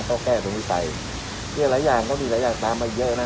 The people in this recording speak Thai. ก็แก้ตรงนี้ไปเนี่ยหลายอย่างก็มีหลายอย่างตามมาเยอะนะ